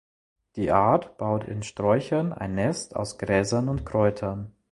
Die Art baut in Sträuchern ein Nest aus Gräsern und Kräutern.